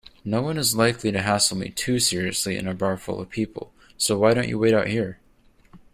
Noone is likely to hassle me too seriously in a bar full of people, so why don't you wait out here?